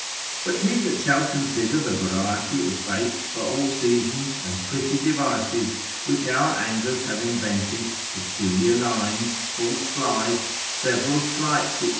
But he that shall consider the variety of baits for all seasons, and pretty devices which our anglers have invented, peculiar lines, false flies, several sleights, &c.